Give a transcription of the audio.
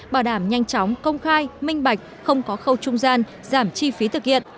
bảo đảm nhanh chóng công khai minh bạch không có khâu trung gian giảm chi phí thực hiện